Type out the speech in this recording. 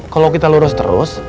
kalau kita lurus terus